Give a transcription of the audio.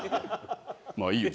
まあいいよ。